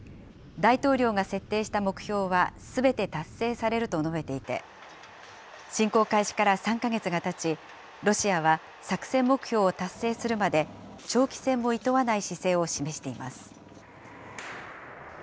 大統領が設定した目標は、すべて達成されると述べていて、侵攻開始から３か月がたち、ロシアは作戦目標を達成するまで、長期戦もいとわない姿勢を示しています。